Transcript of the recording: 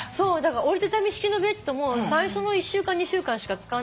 折りたたみ式のベッドも最初の１週間２週間しか使わなくて。